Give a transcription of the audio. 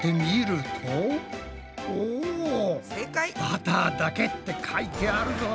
「バターだけ」って書いてあるぞ！